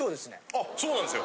あっそうなんですよ